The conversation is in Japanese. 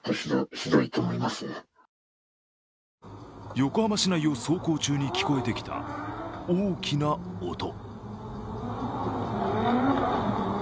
横浜市内を走行中に聞こえてきた大きな音。